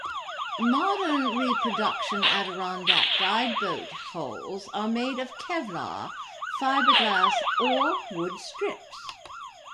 Modern reproduction Adirondack guideboat hulls are made of kevlar, fiberglass or wood strips.